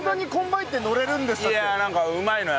いやなんかうまいのよ